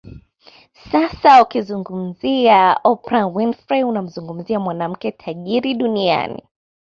Sasa ukimzungumzia Oprah Winfrey unamzungumzia mwanamke tajiri Duniani